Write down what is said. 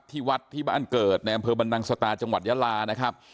ที่วัดที่บ้านเกิดในอำเภอบรรนังสตาจังหวัดยาลานะครับ